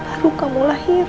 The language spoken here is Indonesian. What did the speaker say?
baru kamu lahir